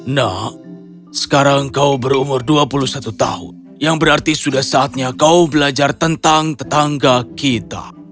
nak sekarang kau berumur dua puluh satu tahun yang berarti sudah saatnya kau belajar tentang tetangga kita